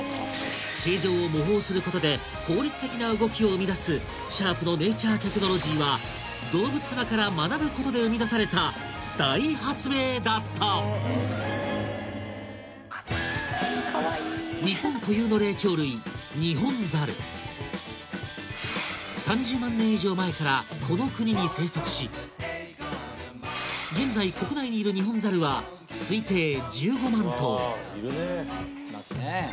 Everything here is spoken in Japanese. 形状を模倣することで効率的な動きを生み出すシャープのネイチャーテクノロジーは動物さまから学ぶことで生み出された大発明だったかわいい３０万年以上前からこの国に生息し現在国内にいるニホンザルは推定１５万頭うわいるねいますね